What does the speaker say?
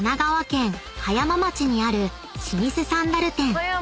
葉山町にある老舗サンダル店］